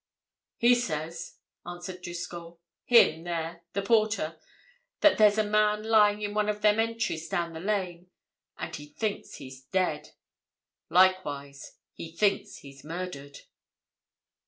"He says," answered Driscoll, "him, there—the porter—that there's a man lying in one of them entries down the lane, and he thinks he's dead. Likewise, he thinks he's murdered."